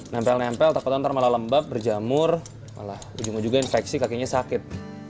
nempel nempel takut ntar malah lembab berjamur malah ujung ujungnya infeksi kakinya sakit